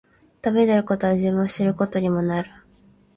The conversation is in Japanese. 旅に出ることは、自分を知ることにもなる。